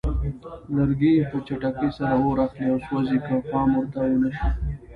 لرګي په چټکۍ سره اور اخلي او سوځي که پام ورته ونه شي.